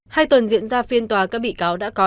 hai tuần diễn ra phiên tòa các bị cáo đã có